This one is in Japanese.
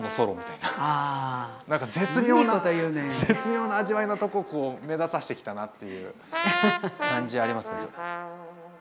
絶妙な味わいのとこをこう目立たしてきたなっていう感じありますね。